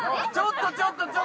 ちょっとちょっと。